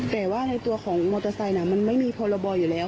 แต่ว่าในตัวของมอเตอร์ไซค์มันไม่มีพรบอยู่แล้ว